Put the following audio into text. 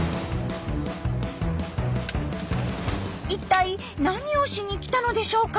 一体何をしに来たのでしょうか？